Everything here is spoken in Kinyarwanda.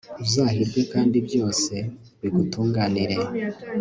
uzahirwe kandi byose bigutunganire